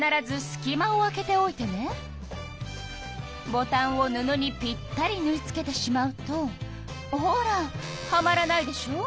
ボタンを布にぴったりぬい付けてしまうとほらはまらないでしょ。